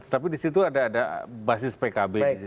tapi di situ ada basis pkb